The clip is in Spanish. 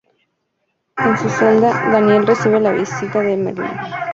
En su celda, Daniel recibe la visita de Merlín.